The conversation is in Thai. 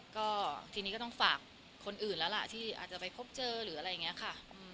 ก็ทีนี้ก็ต้องฝากคนอื่นแล้วล่ะที่อาจจะไปพบเจอหรืออะไรอย่างนี้ค่ะ